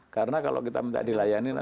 karena kalau kita minta dilayani